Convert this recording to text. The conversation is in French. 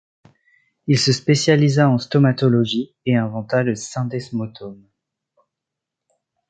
Il se spécialisa en stomatologie, et inventa le syndesmotome.